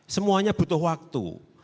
semuanya butuh waktu